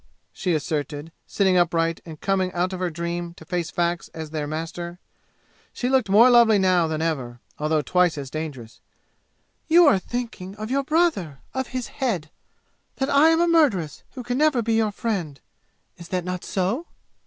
she asserted, sitting upright and coming out of her dream to face facts as their master. She looked more lovely now than ever, although twice as dangerous. "You are thinking of your brother of his head! That I am a murderess who can never be your friend! Is that not so?"